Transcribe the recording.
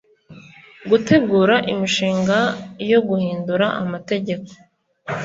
gutegura imishinga yo guhindura amategeko